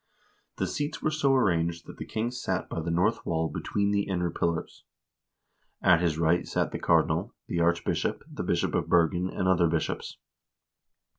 The seats were so arranged that the king sat by the north wall between the inner pillars. At his right sat the cardinal, the archbishop, the bishop of Bergen, and other bishops.